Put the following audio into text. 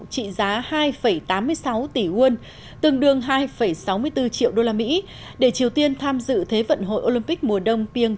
trị giá hai tám mươi sáu tỷ won để triều tiên tham dự thế vận hội olympic mùa đông